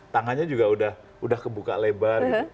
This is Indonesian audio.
tangannya juga udah kebuka lebar